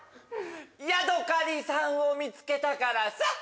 ヤドカリさんを見つけたからさっ！